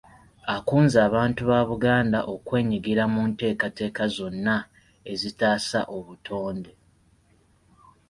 Akunze abantu ba Buganda okwenyigira mu nteekateeka zonna ezitaasa obutonde.